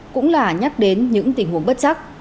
cũng là nhắc đến những tình huống bất chắc